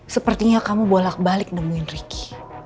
sepertinya kamu bolak balik nemuin ricky